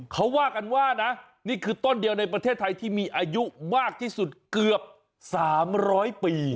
เขาว่ากันว่านะนี่คือต้นเดียวในประเทศไทยที่มีอายุมากที่สุดเกือบ๓๐๐ปี